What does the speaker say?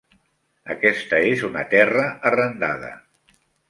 Aquesta és una terra arrendada.